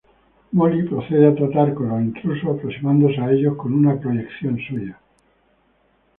Molly procede a tratar con los intrusos aproximándose a ellos con una proyección suya.